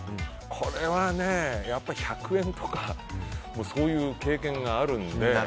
これはね、やっぱり１００円とかそういう経験があるので。